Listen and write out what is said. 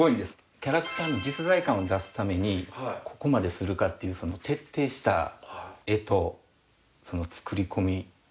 キャラクターの実在感を出すためにここまでするかっていう徹底した絵と作り込み。